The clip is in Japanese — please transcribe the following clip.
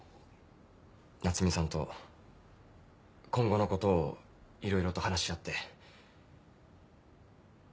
奈津美さんと今後のことをいろいろと話し合って。